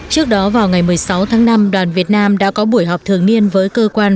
trước đó vào ngày một mươi sáu tháng năm đoàn việt nam đã có buổi họp thường niên với cơ quan